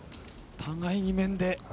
互いに面で。